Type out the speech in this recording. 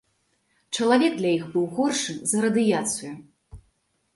Чалавек для іх быў горшы за радыяцыю.